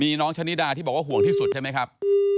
มีน้องชะนิดาที่บอกว่าห่วงที่สุดใช่ไหมครับ